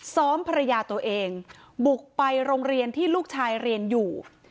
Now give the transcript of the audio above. ซ้อมภรรยาตัวเองบุกไปโรงเรียนที่ลูกชายเรียนอยู่